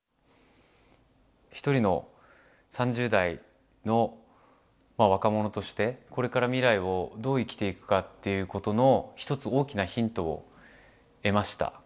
一人の３０代の若者としてこれから未来をどう生きていくかっていうことの一つ大きなヒントを得ました。